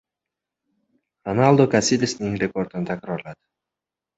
Ronaldu Kasilyasning rekordini takrorladi